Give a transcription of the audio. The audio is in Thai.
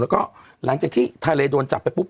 แล้วก็หลังจากที่ทะเลโดนจับไปปุ๊บ